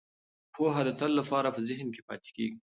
پوهه د تل لپاره په ذهن کې پاتې کیږي.